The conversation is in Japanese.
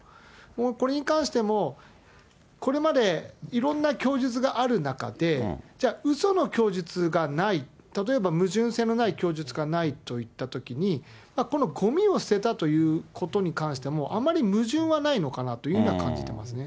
これに関しても、これまでいろんな供述がある中で、じゃあ、うその供述がない、例えば矛盾性のない供述がないといったときに、このごみを捨てたということに関しても、あんまり矛盾はないのかなというふうには感じてますね。